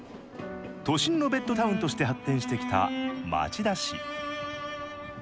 都心のベッドタウンとして発展してきた町田市。